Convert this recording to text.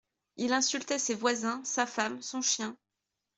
il insultait ses voisins, sa femme, son chien